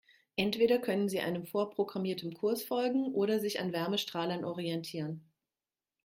Entweder können sie einem vorprogrammierten Kurs folgen oder sich an Wärmestrahlern orientieren.